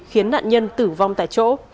khiến nạn nhân tử vong tại chỗ